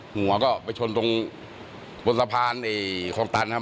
หัวก็ไปชนตรงบนสะพานคลองตันนะครับ